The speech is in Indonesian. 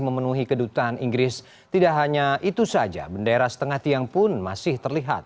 memenuhi kedutaan inggris tidak hanya itu saja bendera setengah tiang pun masih terlihat